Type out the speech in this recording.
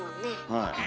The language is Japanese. はい。